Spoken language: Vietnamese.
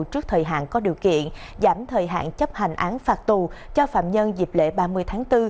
trước thời hạn có điều kiện giảm thời hạn chấp hành án phạt tù cho phạm nhân dịp lễ ba mươi tháng bốn